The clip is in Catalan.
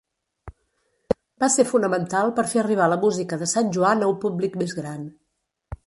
Va ser fonamental per fer arribar la música de Sant Joan a un públic més gran.